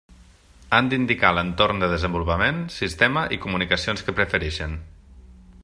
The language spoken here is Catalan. Han d'indicar l'entorn de desenvolupament, sistema i comunicacions que preferixen.